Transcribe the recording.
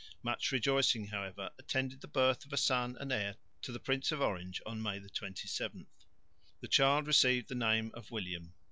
Much rejoicing, however, attended the birth of a son and heir to the Prince of Orange, May 27. The child received the name of William.